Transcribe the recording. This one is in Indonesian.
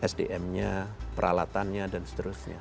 sdm nya peralatannya dan seterusnya